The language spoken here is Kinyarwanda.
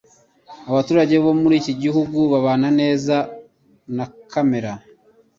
Abaturage bo muri uyu mudugudu babana neza na kamere.